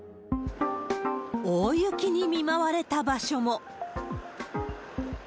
大雪に見舞われた場所も。